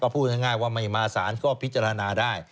พูดง่ายว่าไม่มาสารก็พิจารณาได้